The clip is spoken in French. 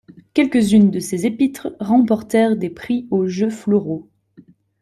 Quelques-unes de ses épîtres remportèrent des prix aux Jeux Floraux.